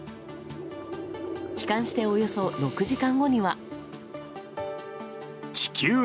帰還しておよそ６時間後には。